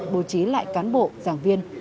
bố trí lại cán bộ giảng viên